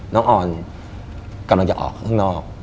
ออนกำลังจะออกข้างนอก